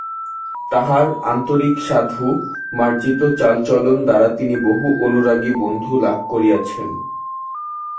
তাঁহার আন্তরিক সাধু মার্জিত চালচলন দ্বারা তিনি বহু অনুরাগী বন্ধু লাভ করিয়াছেন।